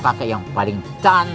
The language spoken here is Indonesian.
apakah nggak dicow